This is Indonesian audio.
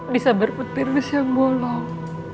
bisa berputir di siang bolong